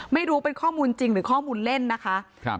ไม่รู้เป็นข้อมูลจริงหรือข้อมูลเล่นนะคะ